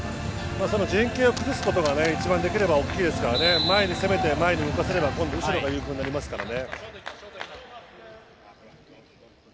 陣形を崩すことが一番大きいですから前に攻めて前に動かせれば今度は後ろが有効になりますからね。